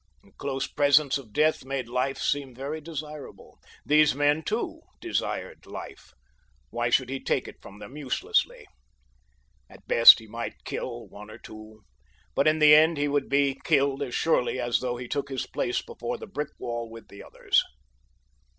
The close presence of death made life seem very desirable. These men, too, desired life. Why should he take it from them uselessly? At best he might kill one or two, but in the end he would be killed as surely as though he took his place before the brick wall with the others.